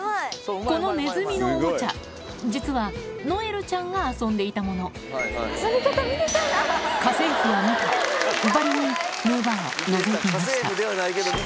このネズミのおもちゃ実はノエルちゃんが遊んでいたものばりにむぅばあのぞいていました